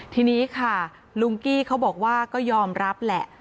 ทีนี้ค่ะลุงกี้เขาบอกว่าก็ยอมรับแหละ